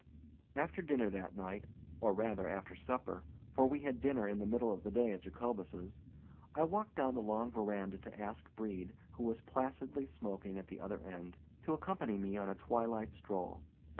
After dinner that night—or rather, after supper, for we had dinner in the middle of the day at Jacobus's—I walked down the long verandah to ask Brede, who was placidly smoking at the other end, to accompany me on a twilight stroll.